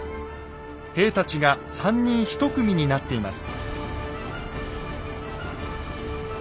兵たちが３人１組になっています。